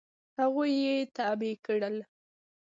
هغوی یې تابع کړل.